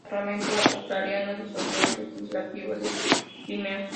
Finalmente, el Parlamento ucraniano disolvió el legislativo de Crimea.